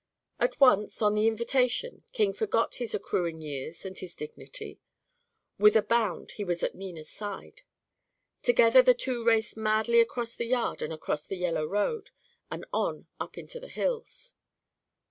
At once, on the invitation, King forgot his accruing years and his dignity. With a bound he was at Nina's side. Together the two raced madly across the yard and across the yellow road and on up into the hills.